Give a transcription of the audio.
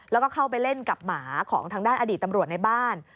แล้วก็เข้าไปเล่นกับหมาของทางด้านอดีตตำรวจในบ้าน